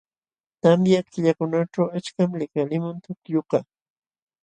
Tamya killakunaćhu achkam likalimun tukllukaq..